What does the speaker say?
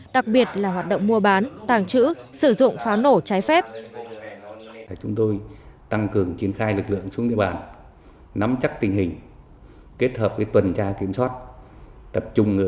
đặc biệt là hoạt động mua bán tàng trữ sử dụng pháo nổ trái phép